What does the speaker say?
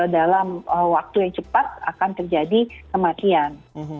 dalam waktu yang cepat akan terjadi kematian